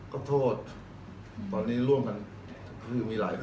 ก็โทษตอนนี้ร่วมกันคือมีหลายคน